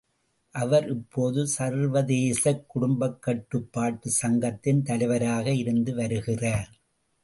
அவர் இப்போது சர்வதேசக் குடும்பக் கட்டுப்பாட்டு சங்கத்தின் தலைவராக இருந்துவருகிறார்.